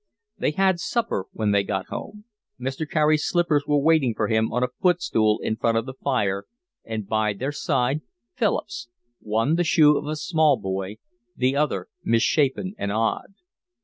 They had supper when they got home. Mr. Carey's slippers were waiting for him on a footstool in front of the fire and by their side Philip's, one the shoe of a small boy, the other misshapen and odd.